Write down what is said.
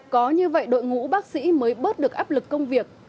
có như vậy đội ngũ bác sĩ mới bớt được áp lực công việc